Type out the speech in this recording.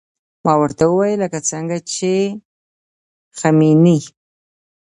ما ورته وويل لکه څنګه چې خميني.